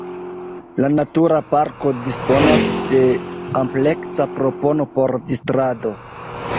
La Natura Parko disponas de ampleksa propono por distrado.